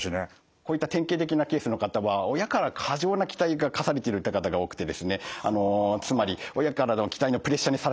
こういった典型的なケースの方は親から過剰な期待が課されているっていう方が多くてですねつまり親からの期待のプレッシャーにさらされる中